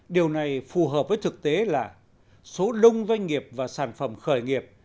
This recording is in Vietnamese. điều này phù hợp với thực tế là số đông doanh nghiệp và sản phẩm khởi nghiệp